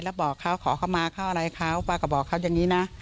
แล้วบอกเขาขอเข้ามาเขาอะไรเขาป้าก็บอกเขาอย่างนี้นะ